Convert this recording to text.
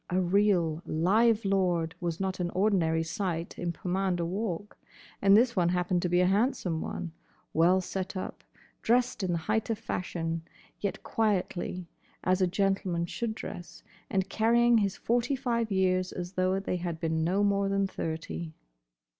A real, live lord was not an ordinary sight in Pomander Walk. And this one happened to be a handsome one; well set up, dressed in the height of fashion, yet quietly, as a gentleman should dress; and carrying his forty five years as though they had been no more than thirty.